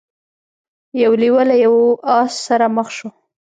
یو لیوه له یو آس سره مخ شو.